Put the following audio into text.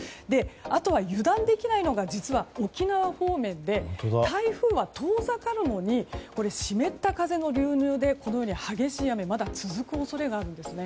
あとは油断できないのが実は沖縄方面で台風は遠ざかるのに湿った風の流入でこのように激しい雨がまだ続く恐れがあるんです。